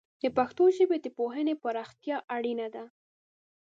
د پښتو ژبې د پوهنې پراختیا اړینه ده.